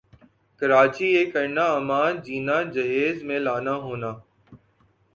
کراچی یِہ کرنا اماں جینا جہیز میں لانا ہونا